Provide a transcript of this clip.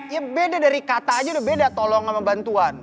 ya beda dari kata aja udah beda tolong sama bantuan